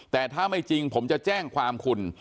แต่ถ้าไม่จริงผมจะแจ้งความคุณ